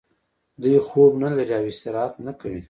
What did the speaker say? دوی خوب نلري او استراحت نه کوي